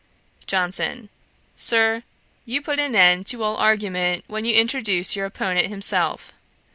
JOHNSON. 'Sir, you put an end to all argument when you introduce your opponent himself.